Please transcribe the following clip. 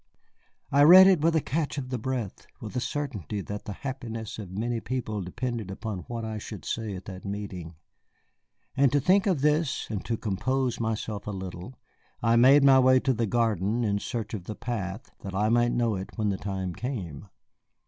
I read it with a catch of the breath, with a certainty that the happiness of many people depended upon what I should say at that meeting. And to think of this and to compose myself a little, I made my way to the garden in search of the path, that I might know it when the time came.